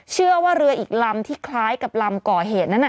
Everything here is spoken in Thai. เชื่อว่าเรืออีกลำที่คล้ายกับลำก่อเหตุนั้น